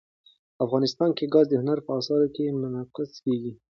افغانستان کې ګاز د هنر په اثار کې منعکس کېږي.